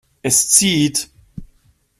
Es zieht.